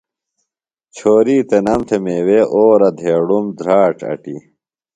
چھوری تنام تھےۡ میوے، اورہ ، دھیڑُم ، دھراڇ اٹی